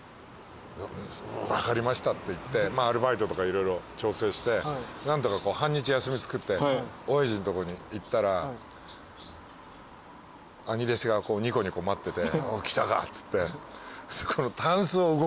分かりましたって言ってアルバイトとか色々調整して何とか半日休みつくって親父のとこに行ったら兄弟子がニコニコ待ってて来たかっつって。